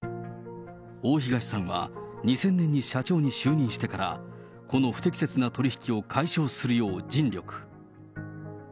大東さんは２０００年に社長に就任してから、この不適切な取り引きを解消するよう尽力。